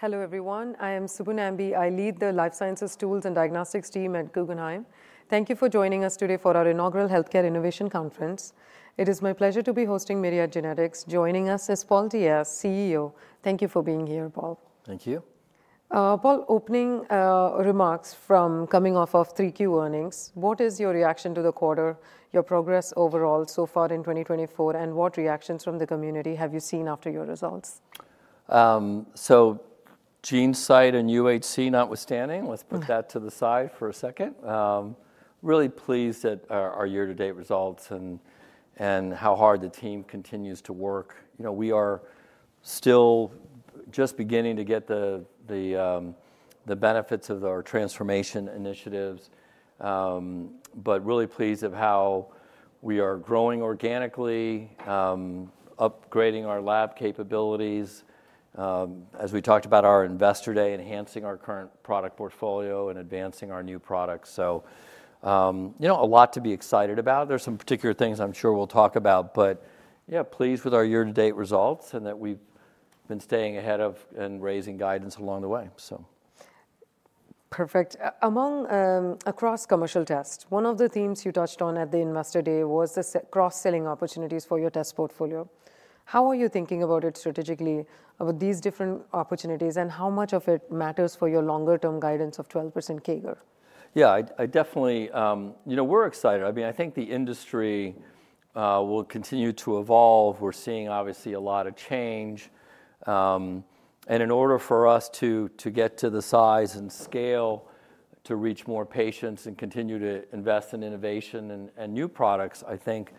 Hello everyone. I am Subbu Nambi. I lead the Life Sciences Tools and Diagnostics team at Guggenheim. Thank you for joining us today for our inaugural Healthcare Innovation Conference. It is my pleasure to be hosting Myriad Genetics. Joining us is Paul Diaz, CEO. Thank you for being here, Paul. Thank you. Paul, opening remarks coming off of 3Q earnings. What is your reaction to the quarter, your progress overall so far in 2024, and what reactions from the community have you seen after your results? GeneSight and UHC notwithstanding, let's put that to the side for a second. Really pleased at our year-to-date results and how hard the team continues to work. You know, we are still just beginning to get the benefits of our transformation initiatives, but really pleased of how we are growing organically, upgrading our lab capabilities. As we talked about our Investor Day, enhancing our current product portfolio and advancing our new products. You know, a lot to be excited about. There's some particular things I'm sure we'll talk about, but yeah, pleased with our year-to-date results and that we've been staying ahead of and raising guidance along the way. Perfect. Across commercial tests, one of the themes you touched on at the Investor Day was the cross-selling opportunities for your test portfolio. How are you thinking about it strategically, about these different opportunities, and how much of it matters for your longer-term guidance of 12% CAGR? Yeah, I definitely, you know, we're excited. I mean, I think the industry will continue to evolve. We're seeing obviously a lot of change. And in order for us to get to the size and scale, to reach more patients and continue to invest in innovation and new products, I think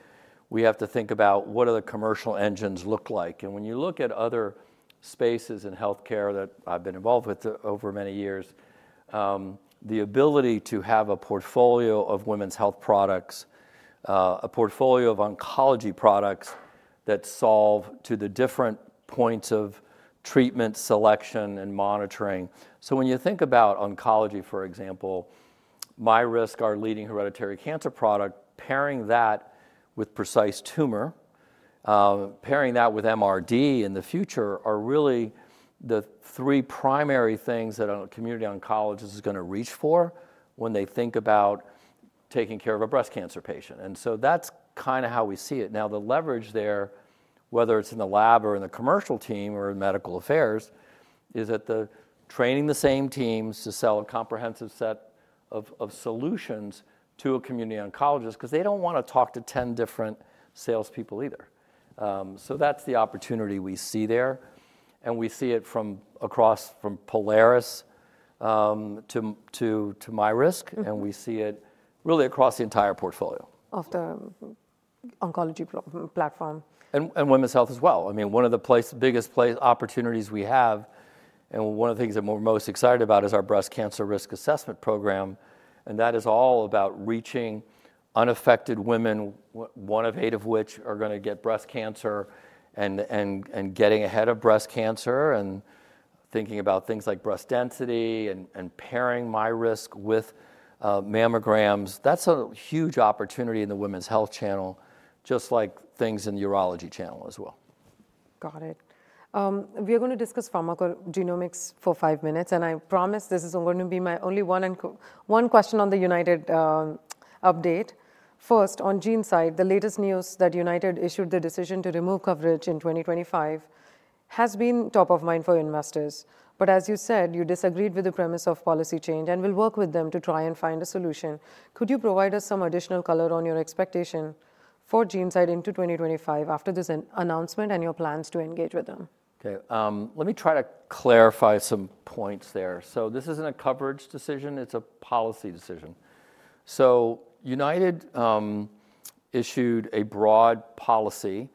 we have to think about what do the commercial engines look like? And when you look at other spaces in healthcare that I've been involved with over many years, the ability to have a portfolio of women's health products, a portfolio of oncology products that solve to the different points of treatment selection and monitoring. So when you think about oncology, for example, MyRisk, our leading hereditary cancer product, pairing that with Precise Tumor, pairing that with MRD in the future are really the three primary things that a community oncologist is going to reach for when they think about taking care of a breast cancer patient. And so that's kind of how we see it. Now, the leverage there, whether it's in the lab or in the commercial team or in medical affairs, is that the training the same teams to sell a comprehensive set of solutions to a community oncologist, because they don't want to talk to 10 different salespeople either. So that's the opportunity we see there. And we see it from across from Prolaris to MyRisk, and we see it really across the entire portfolio. Of the oncology platform. Women's health as well. I mean, one of the biggest opportunities we have, and one of the things that we're most excited about is our breast cancer risk assessment program. That is all about reaching unaffected women, one of eight of which are going to get breast cancer and getting ahead of breast cancer and thinking about things like breast density and pairing MyRisk with mammograms. That's a huge opportunity in the women's health channel, just like things in the urology channel as well. Got it. We are going to discuss pharmacogenomics for five minutes, and I promise this is going to be my only one question on the United update. First, on GeneSight, the latest news that United issued the decision to remove coverage in 2025 has been top of mind for investors. But as you said, you disagreed with the premise of policy change and will work with them to try and find a solution. Could you provide us some additional color on your expectation for GeneSight into 2025 after this announcement and your plans to engage with them? Okay, let me try to clarify some points there. So this isn't a coverage decision. It's a policy decision. So United issued a broad policy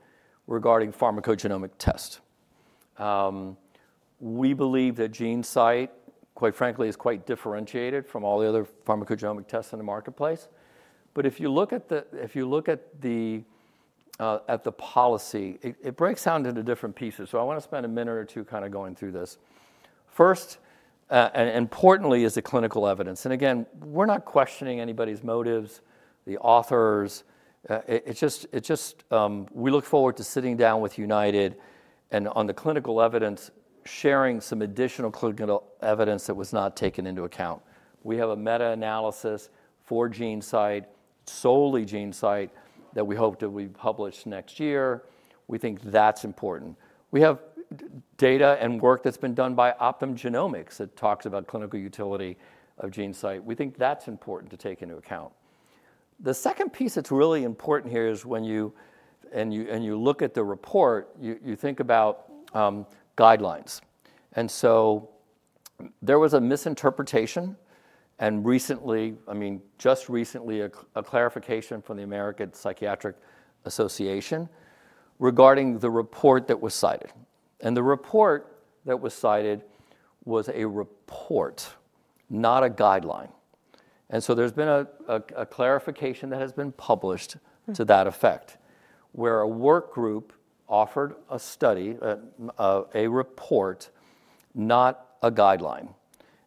regarding pharmacogenomic tests. We believe that GeneSight, quite frankly, is quite differentiated from all the other pharmacogenomic tests in the marketplace. But if you look at the policy, it breaks down into different pieces. So I want to spend a minute or two kind of going through this. First, and importantly, is the clinical evidence. And again, we're not questioning anybody's motives, the authors. It's just we look forward to sitting down with United and on the clinical evidence, sharing some additional clinical evidence that was not taken into account. We have a meta-analysis for GeneSight, solely GeneSight, that we hope to be published next year. We think that's important. We have data and work that's been done by Optum Genomics that talks about clinical utility of GeneSight. We think that's important to take into account. The second piece that's really important here is when you look at the report, you think about guidelines. And so there was a misinterpretation and recently, I mean, just recently, a clarification from the American Psychiatric Association regarding the report that was cited. And the report that was cited was a report, not a guideline. And so there's been a clarification that has been published to that effect, where a work group offered a study, a report, not a guideline.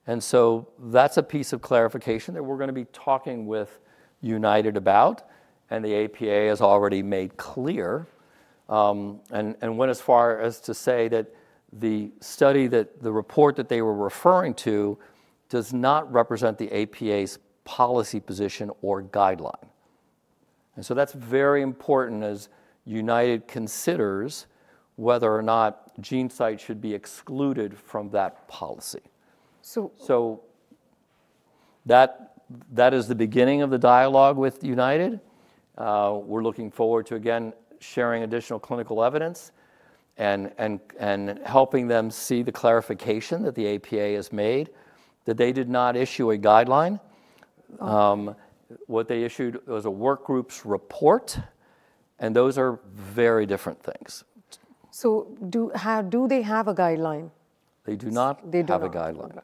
And so that's a piece of clarification that we're going to be talking with United about. And the APA has already made clear and went as far as to say that the study, that the report that they were referring to does not represent the APA's policy position or guideline. And so that's very important as United considers whether or not GeneSight should be excluded from that policy. So that is the beginning of the dialogue with United. We're looking forward to, again, sharing additional clinical evidence and helping them see the clarification that the APA has made that they did not issue a guideline. What they issued was a work group's report, and those are very different things. So do they have a guideline? They do not have a guideline.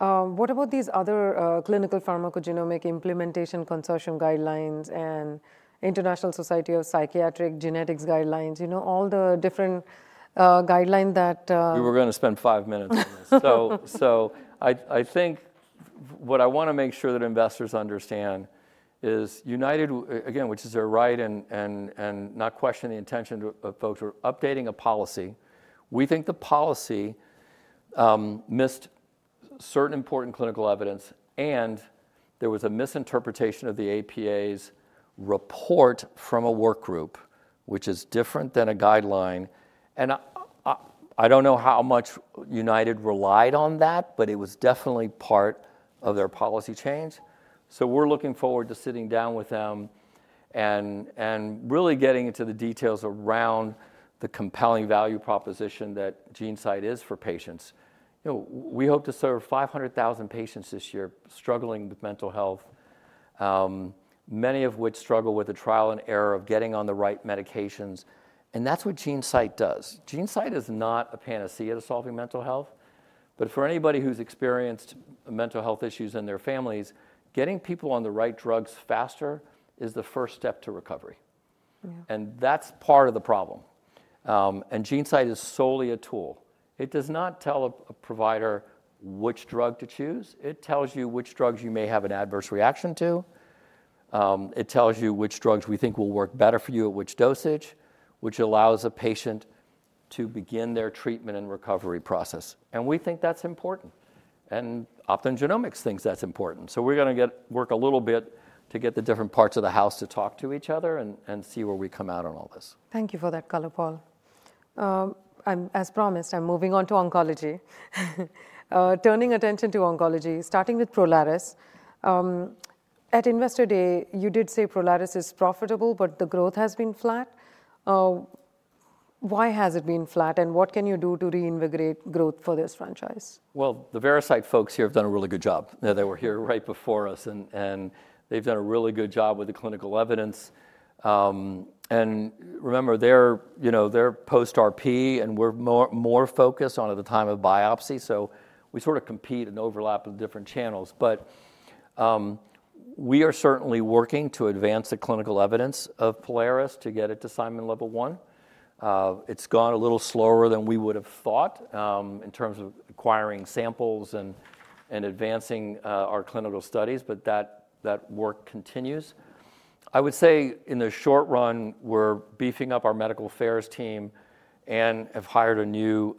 What about these other clinical pharmacogenomic implementation consortium guidelines and International Society of Psychiatric Genetics guidelines? You know, all the different guidelines that. We were going to spend five minutes on this, so I think what I want to make sure that investors understand is United, again, which is their right, and not question the intention of folks who are updating a policy. We think the policy missed certain important clinical evidence, and there was a misinterpretation of the APA's report from a work group, which is different than a guideline, and I don't know how much United relied on that, but it was definitely part of their policy change. So we're looking forward to sitting down with them and really getting into the details around the compelling value proposition that GeneSight is for patients. We hope to serve 500,000 patients this year struggling with mental health, many of which struggle with the trial and error of getting on the right medications, and that's what GeneSight does. GeneSight is not a panacea to solving mental health, but for anybody who's experienced mental health issues in their families, getting people on the right drugs faster is the first step to recovery, and that's part of the problem, and GeneSight is solely a tool. It does not tell a provider which drug to choose. It tells you which drugs you may have an adverse reaction to. It tells you which drugs we think will work better for you at which dosage, which allows a patient to begin their treatment and recovery process, and we think that's important, and Optum Genomics thinks that's important, so we're going to work a little bit to get the different parts of the house to talk to each other and see where we come out on all this. Thank you for that color, Paul. As promised, I'm moving on to oncology. Turning attention to oncology, starting with Prolaris. At Investor Day, you did say Prolaris is profitable, but the growth has been flat. Why has it been flat, and what can you do to reinvigorate growth for this franchise? The Veracyte folks here have done a really good job. They were here right before us, and they've done a really good job with the clinical evidence. Remember, they're post-RP, and we're more focused on at the time of biopsy. We sort of compete and overlap with different channels. But we are certainly working to advance the clinical evidence of Prolaris to get it to Simon level 1. It's gone a little slower than we would have thought in terms of acquiring samples and advancing our clinical studies, but that work continues. I would say in the short run, we're beefing up our medical affairs team and have hired a new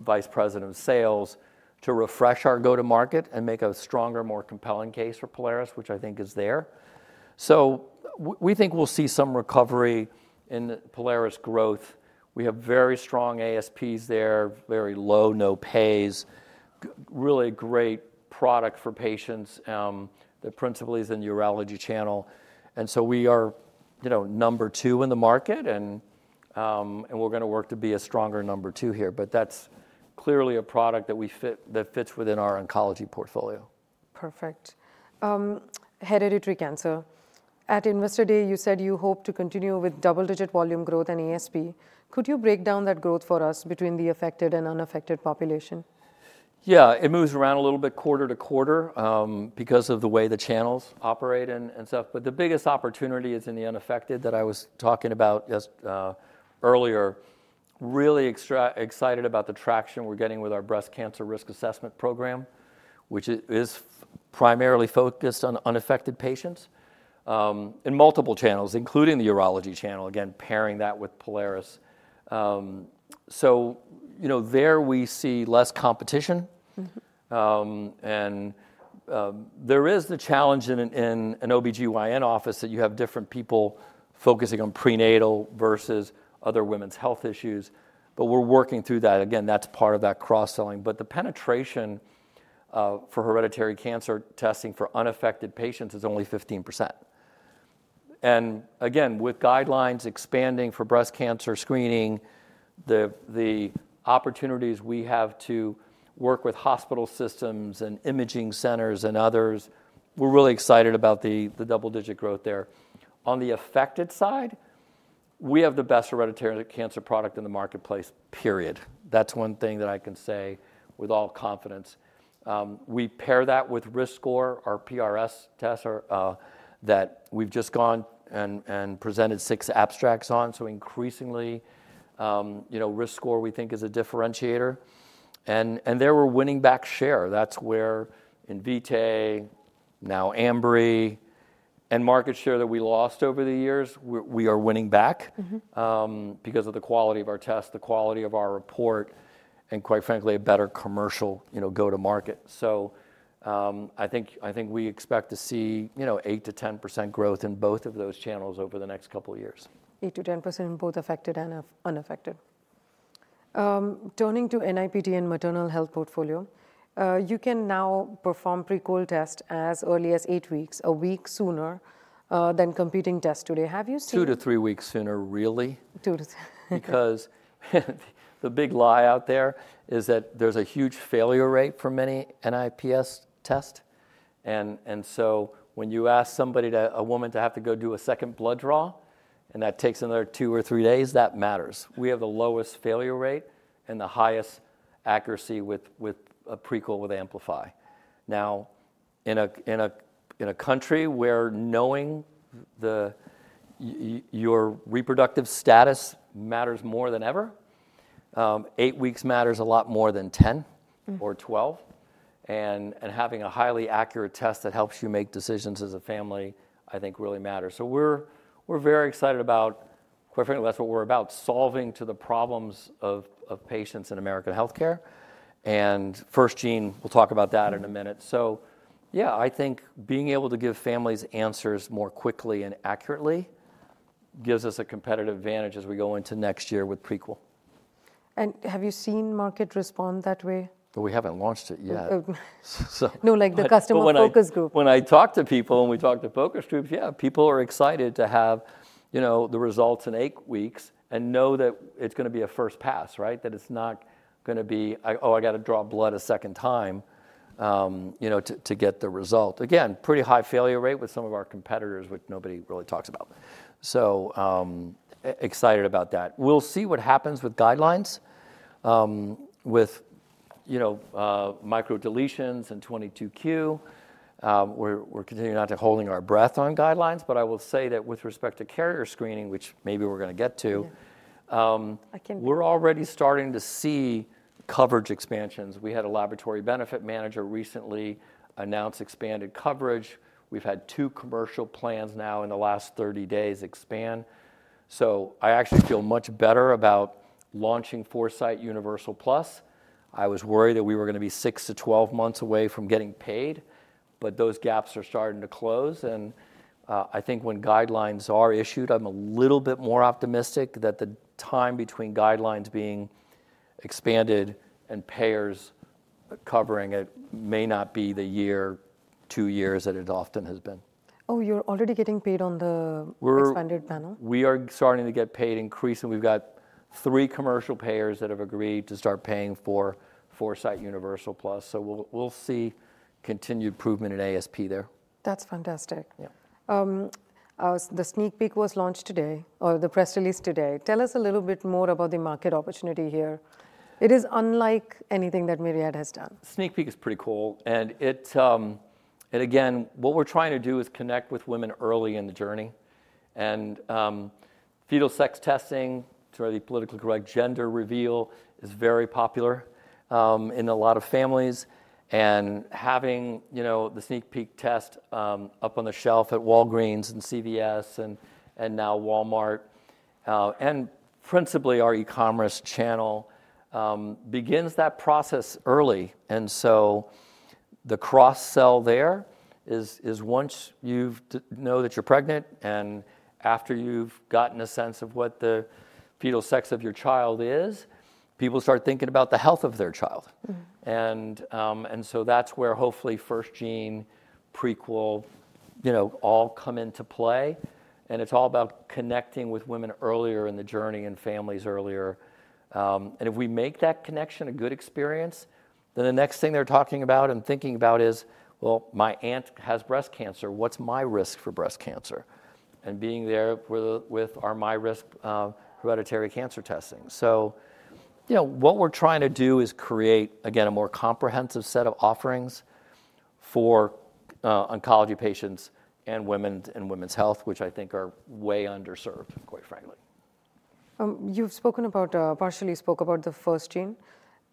vice president of sales to refresh our go-to-market and make a stronger, more compelling case for Prolaris, which I think is there. We think we'll see some recovery in Prolaris growth. We have very strong ASPs there, very low no-pays, really great product for patients. The principal is in urology channel. And so we are number two in the market, and we're going to work to be a stronger number two here. But that's clearly a product that fits within our oncology portfolio. Perfect. Hereditary cancer. At Investor Day, you said you hope to continue with double-digit volume growth and ASP. Could you break down that growth for us between the affected and unaffected population? Yeah, it moves around a little bit quarter to quarter because of the way the channels operate and stuff. But the biggest opportunity is in the unaffected that I was talking about just earlier. Really excited about the traction we're getting with our breast cancer risk assessment program, which is primarily focused on unaffected patients in multiple channels, including the urology channel, again, pairing that with Prolaris. So you know there we see less competition. And there is the challenge in an OB-GYN office that you have different people focusing on prenatal versus other women's health issues. But we're working through that. Again, that's part of that cross-selling. But the penetration for hereditary cancer testing for unaffected patients is only 15%. Again, with guidelines expanding for breast cancer screening, the opportunities we have to work with hospital systems and imaging centers and others, we're really excited about the double-digit growth there. On the heredity side, we have the best hereditary cancer product in the marketplace, period. That's one thing that I can say with all confidence. We pair that with RiskScore, our PRS test that we've just gone and presented six abstracts on. So increasingly, RiskScore we think is a differentiator. And there we're winning back share. That's where Invitae, now Ambry, and market share that we lost over the years, we are winning back because of the quality of our test, the quality of our report, and quite frankly, a better commercial go-to-market. So I think we expect to see 8%-10% growth in both of those channels over the next couple of years. 8%-10% in both affected and unaffected. Turning to NIPD and maternal health portfolio, you can now perform Prequel test as early as eight weeks, a week sooner than competing tests today. Have you seen? Two to three weeks sooner, really. Two to three. Because the big lie out there is that there's a huge failure rate for many NIPS tests. And so when you ask somebody, a woman to have to go do a second blood draw, and that takes another two or three days, that matters. We have the lowest failure rate and the highest accuracy with a Prequel with Amplify. Now, in a country where knowing your reproductive status matters more than ever, eight weeks matters a lot more than 10 or 12. Having a highly accurate test that helps you make decisions as a family, I think really matters. We're very excited about, quite frankly, that's what we're about, solving the problems of patients in American healthcare. FirstGene, we'll talk about that in a minute. So yeah, I think being able to give families answers more quickly and accurately gives us a competitive advantage as we go into next year with Prequel. Have you seen market respond that way? But we haven't launched it yet. No, like the customer focus group. When I talk to people and we talk to focus groups, yeah, people are excited to have the results in eight weeks and know that it's going to be a first pass, right? That it's not going to be, oh, I got to draw blood a second time to get the result. Again, pretty high failure rate with some of our competitors, which nobody really talks about. So excited about that. We'll see what happens with guidelines, with microdeletions and 22q. We're continuing not to hold our breath on guidelines, but I will say that with respect to carrier screening, which maybe we're going to get to, we're already starting to see coverage expansions. We had a laboratory benefit manager recently announce expanded coverage. We've had two commercial plans now in the last 30 days expand. So I actually feel much better about launching Foresight Universal Plus. I was worried that we were going to be six to 12 months away from getting paid, but those gaps are starting to close, and I think when guidelines are issued, I'm a little bit more optimistic that the time between guidelines being expanded and payers covering it may not be the year, two years that it often has been. Oh, you're already getting paid on the expanded panel? We are starting to get paid increasingly. We've got three commercial payers that have agreed to start paying for Foresight Universal Plus. So we'll see continued improvement in ASP there. That's fantastic. The SneakPeek was launched today or the press release today. Tell us a little bit more about the market opportunity here. It is unlike anything that Myriad has done. SneakPeek is pretty cool. And again, what we're trying to do is connect with women early in the journey. And fetal sex testing, to the politically correct gender reveal, is very popular in a lot of families. And having the SneakPeek test up on the shelf at Walgreens and CVS and now Walmart and principally our e-commerce channel begins that process early. And so the cross-sell there is once you know that you're pregnant and after you've gotten a sense of what the fetal sex of your child is, people start thinking about the health of their child. And so that's where hopefully FirstGene, Prequel, all come into play. And it's all about connecting with women earlier in the journey and families earlier. And if we make that connection a good experience, then the next thing they're talking about and thinking about is, well, my aunt has breast cancer. What's my risk for breast cancer? And, being there with our MyRisk Hereditary Cancer testing. So what we're trying to do is create, again, a more comprehensive set of offerings for oncology patients and women's health, which I think are way underserved, quite frankly. You've spoken about, partially spoke about the FirstGene.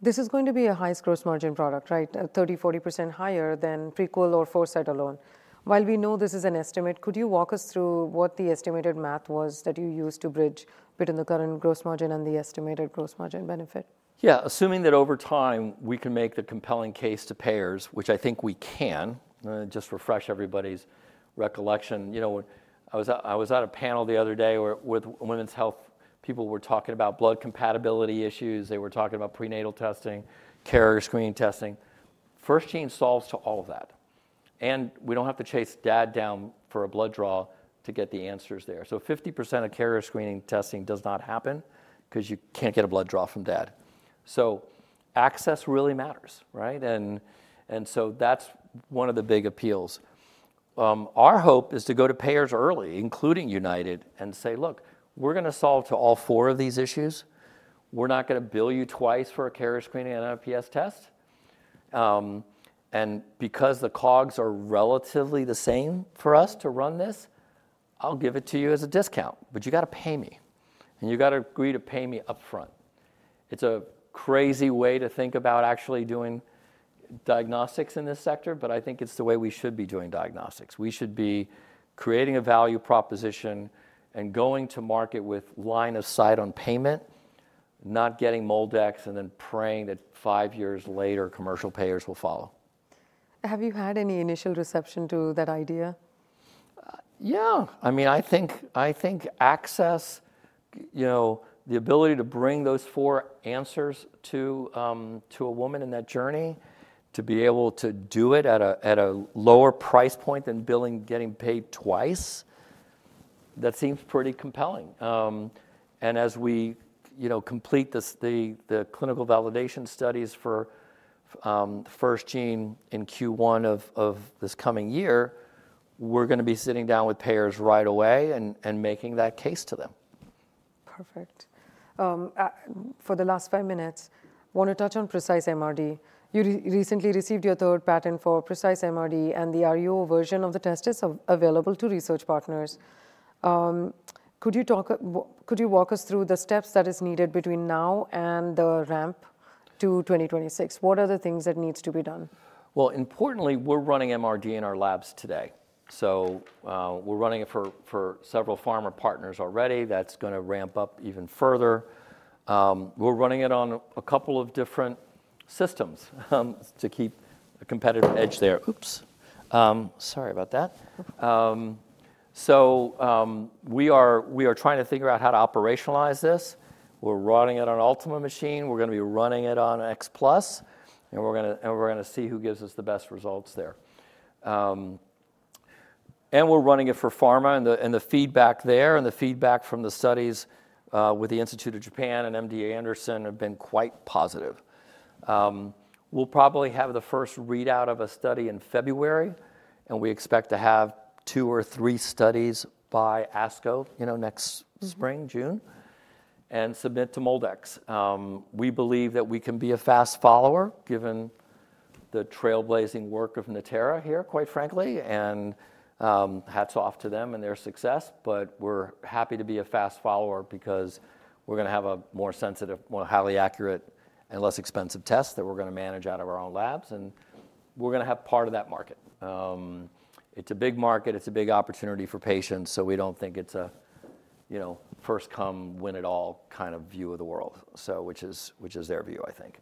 This is going to be a highest gross margin product, right? 30%-40% higher than Prequel or Foresight alone. While we know this is an estimate, could you walk us through what the estimated math was that you used to bridge between the current gross margin and the estimated gross margin benefit? Yeah, assuming that over time we can make the compelling case to payers, which I think we can. Just refresh everybody's recollection. I was at a panel the other day with women's health. People were talking about blood compatibility issues. They were talking about prenatal testing, carrier screening testing. FirstGene solves to all of that, and we don't have to chase dad down for a blood draw to get the answers there, so 50% of carrier screening testing does not happen because you can't get a blood draw from dad. So access really matters, right? And so that's one of the big appeals. Our hope is to go to payers early, including United, and say, look, we're going to solve to all four of these issues. We're not going to bill you twice for a carrier screening and NIPS test. Because the COGS are relatively the same for us to run this, I'll give it to you as a discount, but you got to pay me. You got to agree to pay me upfront. It's a crazy way to think about actually doing diagnostics in this sector, but I think it's the way we should be doing diagnostics. We should be creating a value proposition and going to market with line of sight on payment, not getting MolDX and then praying that five years later commercial payers will follow. Have you had any initial reception to that idea? Yeah. I mean, I think access, the ability to bring those four answers to a woman in that journey, to be able to do it at a lower price point than getting paid twice, that seems pretty compelling. And as we complete the clinical validation studies for FirstGene in Q1 of this coming year, we're going to be sitting down with payers right away and making that case to them. Perfect. For the last five minutes, I want to touch on Precise MRD. You recently received your third patent for Precise MRD, and the RUO version of the test is available to research partners. Could you walk us through the steps that are needed between now and the ramp to 2026? What are the things that need to be done? Importantly, we're running MRD in our labs today. So we're running it for several pharma partners already. That's going to ramp up even further. We're running it on a couple of different systems to keep a competitive edge there. Oops. Sorry about that. So we are trying to figure out how to operationalize this. We're running it on Ultima machine. We're going to be running it on X Plus. And we're going to see who gives us the best results there. And we're running it for pharma. And the feedback there and the feedback from the studies with the Institute of Japan and MD Anderson have been quite positive. We'll probably have the first readout of a study in February. And we expect to have two or three studies by ASCO next spring, June, and submit to MolDX. We believe that we can be a fast follower given the trailblazing work of Natera here, quite frankly, and hats off to them and their success. But we're happy to be a fast follower because we're going to have a more sensitive, more highly accurate, and less expensive test that we're going to manage out of our own labs, and we're going to have part of that market. It's a big market. It's a big opportunity for patients, so we don't think it's a first-come, win-it-all kind of view of the world, which is their view, I think,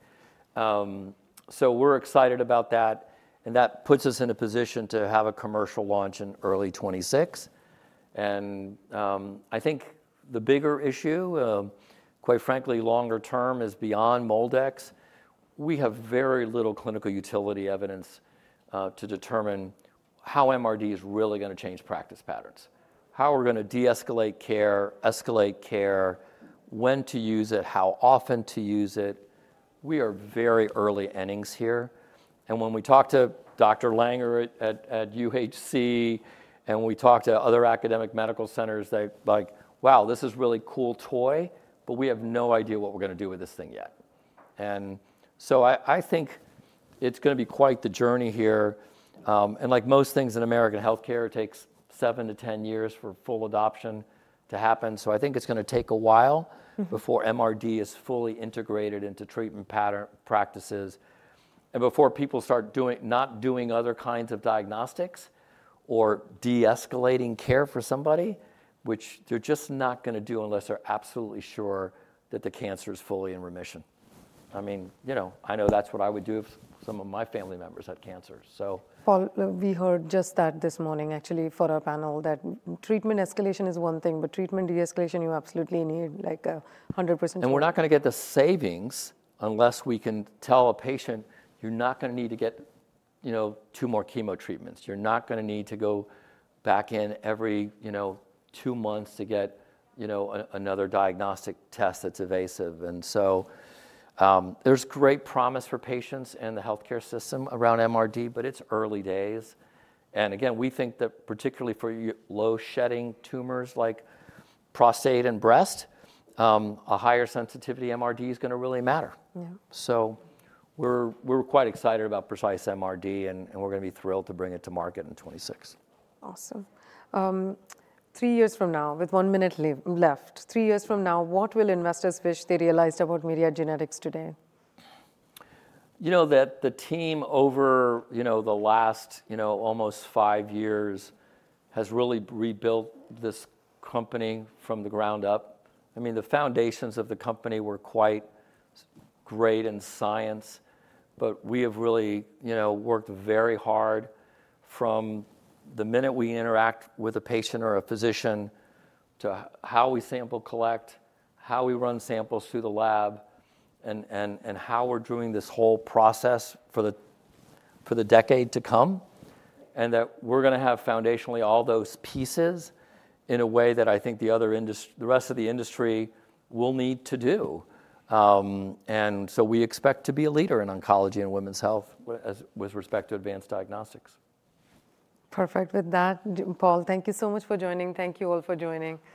so we're excited about that, and that puts us in a position to have a commercial launch in early 2026. And I think the bigger issue, quite frankly, longer term is beyond MolDX. We have very little clinical utility evidence to determine how MRD is really going to change practice patterns, how we're going to de-escalate care, escalate care, when to use it, how often to use it. We are very early in the innings here. When we talk to Dr. Langer at UHC and we talk to other academic medical centers, they're like, wow, this is a really cool toy, but we have no idea what we're going to do with this thing yet. So I think it's going to be quite the journey here. Like most things in American healthcare, it takes seven to 10 years for full adoption to happen. So I think it's going to take a while before MRD is fully integrated into treatment practices and before people start not doing other kinds of diagnostics or de-escalating care for somebody, which they're just not going to do unless they're absolutely sure that the cancer is fully in remission. I mean, I know that's what I would do if some of my family members had cancer. We heard just that this morning, actually, for our panel, that treatment escalation is one thing, but treatment de-escalation, you absolutely need like 100%. And we're not going to get the savings unless we can tell a patient, you're not going to need to get two more chemo treatments. You're not going to need to go back in every two months to get another diagnostic test that's invasive. And so there's great promise for patients and the healthcare system around MRD, but it's early days. And again, we think that particularly for low-shedding tumors like prostate and breast, a higher sensitivity MRD is going to really matter. So we're quite excited about Precise MRD, and we're going to be thrilled to bring it to market in 2026. Awesome. Three years from now, with one minute left, what will investors wish they realized about Myriad Genetics today? You know that the team over the last almost five years has really rebuilt this company from the ground up. I mean, the foundations of the company were quite great in science, but we have really worked very hard from the minute we interact with a patient or a physician to how we sample collect, how we run samples through the lab, and how we're doing this whole process for the decade to come. And that we're going to have foundationally all those pieces in a way that I think the rest of the industry will need to do. And so we expect to be a leader in oncology and women's health with respect to advanced diagnostics. Perfect. With that, Paul, thank you so much for joining. Thank you all for joining.